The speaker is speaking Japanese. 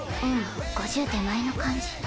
うん５０手前の感じ。